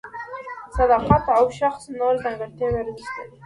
صداقت او د شخص نورې ځانګړتیاوې ارزښت لري.